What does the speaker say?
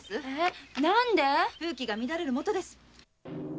風紀が乱れるもとです！